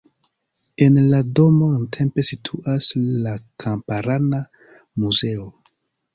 En la domo nuntempe situas la kamparana muzeo.